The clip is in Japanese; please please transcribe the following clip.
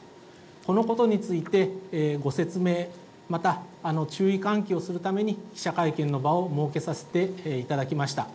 このことについて、ご説明、また注意喚起をするために、記者会見の場を設けさせていただきました。